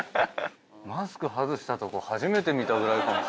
マスク外したとこ初めて見たぐらいかもしれない。